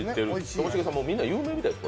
ともしげさん、これ、有名みたいです。